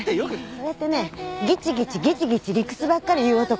そうやってねぎちぎちぎちぎち理屈ばっかり言う男？